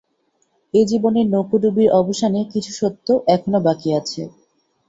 এ-জীবনের নৌকোডুবির অবসানে কিছু সত্য এখনও বাকি আছে।